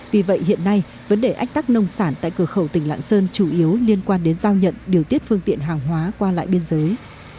vì vậy hiện nay vấn đề ách tắc nông sản tại cửa khẩu tỉnh lạng sơn chủ yếu liên quan đến giao nhận điều tiết phương tiện hàng hóa qua lại biên giới